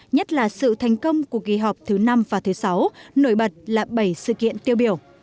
nhất là sự thành công của kỳ họp thứ năm và thứ sáu nổi bật là bảy sự kiện tiêu biểu